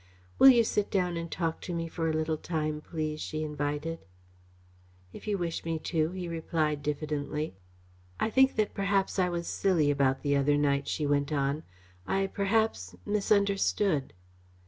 "Will you sit down and talk to me for a little time, please," she invited. "If you wish me to," he replied diffidently. "I think that perhaps I was silly about the other night," she went on. "I perhaps misunderstood."